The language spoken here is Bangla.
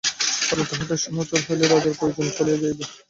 রাজা তাহাদের সহচর হইলেই রাজার প্রয়োজন চলিয়া যাইবে।